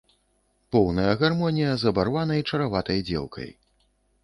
Поўная гармонія з абарванай чараватай дзеўкай.